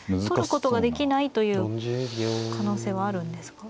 取ることができないという可能性はあるんですか。